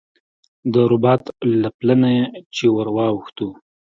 د رباط له پله نه چې ور واوښتو.